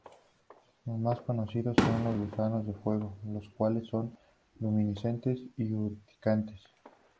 Los más conocidos son los gusanos de fuego, los cuales son luminiscentes y urticantes.